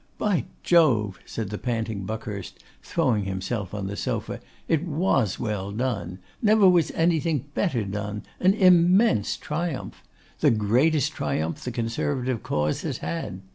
'By Jove!' said the panting Buckhurst, throwing himself on the sofa, 'it was well done; never was any thing better done. An immense triumph! The greatest triumph the Conservative Cause has had.